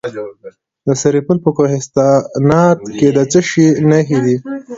د سرپل په کوهستانات کې د څه شي نښې دي؟